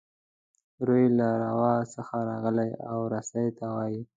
روي له روا څخه راغلی او رسۍ ته وايي.